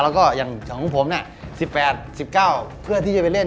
แล้วก็อย่างของผม๑๘๑๙เพื่อที่จะไปเล่น